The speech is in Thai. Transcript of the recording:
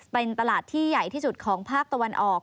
เป็นตลาดที่ใหญ่ที่สุดของภาคตะวันออก